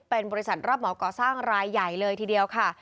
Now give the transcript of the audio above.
เป็นบริษัทรับเหมาก่อสร้างรายใหญ่เลยทีเดียวค่ะ